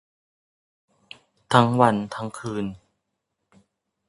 ทั้งวันทั้งคืน